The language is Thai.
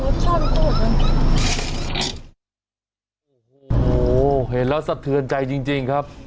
อุ้ยอุ๊ยอะไรเหรอโอ้ยชอบโอ้ยโอ้โหเห็นแล้วสะเทือนใจจริงจริงครับ